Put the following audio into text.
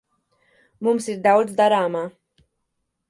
Mums ir daudz darāmā.